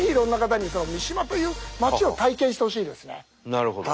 なるほど。